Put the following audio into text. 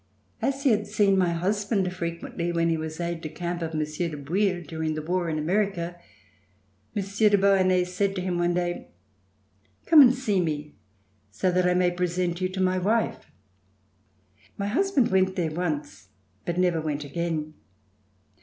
As he had seen my husband frequently when he was aide de camp of Monsieur de Bouille, during the war in America, Monsieur de Beauharnais said to him one day: ''Come and see me, so that I may present you to my wife." My husband went there once but never went again.